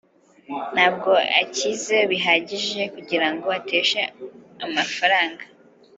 ntabwo akize bihagije kugirango ateshe amafaranga